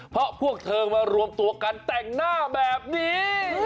เพราะพวกเธอมารวมตัวกันแต่งหน้าแบบนี้